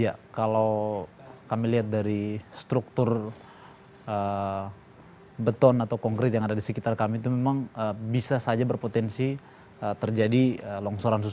ya kalau kami lihat dari struktur beton atau konkret yang ada di sekitar kami itu memang bisa saja berpotensi terjadi longsoran susulan di sisi yang lain dari sisi longsoran yang terjadi